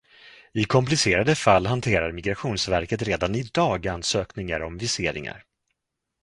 I komplicerade fall hanterar Migrationsverket redan i dag ansökningar om viseringar.